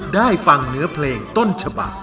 ได้ฟังเนื้อเพลงต้นฉบัก